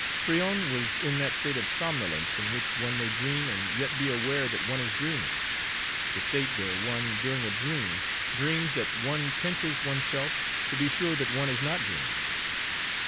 Tryon was in that state of somnolence in which one may dream and yet be aware that one is dreaming, the state where one, during a dream, dreams that one pinches one's self to be sure that one is not dreaming.